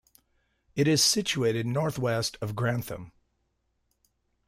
It is situated north-west of Grantham.